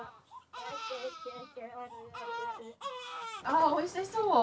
あおいしそう。